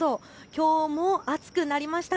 きょうも暑くなりました。